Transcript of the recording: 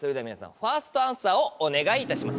ファーストアンサーをお願いいたします。